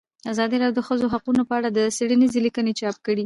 ازادي راډیو د د ښځو حقونه په اړه څېړنیزې لیکنې چاپ کړي.